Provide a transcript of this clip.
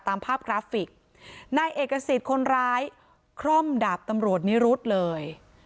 ตามภาพกราฟิกนายเอกสิทธิ์คนร้ายคร่อมดาบตำรวจนิรุธเลย